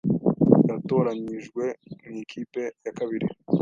Yatoranyijwe mu ikipe ya kabiri